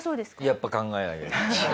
やっぱ考えなきゃ。